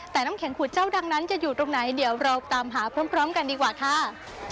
แต่น้ำแข็งขุดเจ้าดังนั้นจะอยู่ตรงไหนเดี๋ยวเราตามหาพร้อมกันดีกว่าค่ะ